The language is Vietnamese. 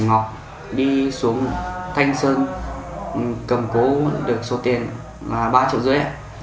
ngọc đi xuống thanh sơn cầm cố được số tiền là ba triệu rưỡi